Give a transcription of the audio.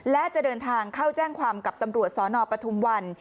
และจะเดินทางเข้าแจ้งความกับตำรวจสนปทุมวัน